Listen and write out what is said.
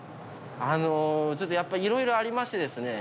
あのちょっとやっぱり色々ありましてですね